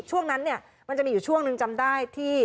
ช่วงนั้นเนี่ยมันจะมีอยู่ช่วงหนึ่งจำได้ที่